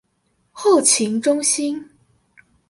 後勤中心